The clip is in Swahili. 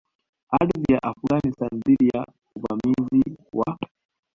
Ardhi ya Afghanistan dhidi ya uvamizi wa